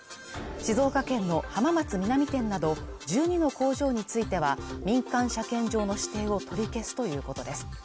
静岡県の浜松南店など１２の工場については民間車検場の指定を取り消すということです